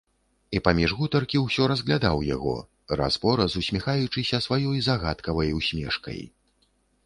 І паміж гутаркі ўсё разглядаў яго, раз-пораз усміхаючыся сваёй загадкавай усмешкай.